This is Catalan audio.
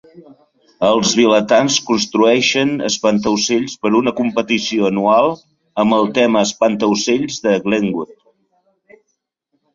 Els vilatans construeixen espantaocells per a una competició anual amb el tema "Espantaocells de Glentworth".